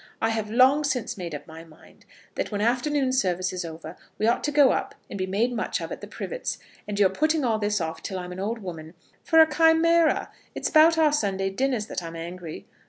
I have long since made up my mind that when afternoon service is over, we ought to go up and be made much of at the Privets; and you're putting all this off till I'm an old woman for a chimera. It's about our Sunday dinners that I'm angry.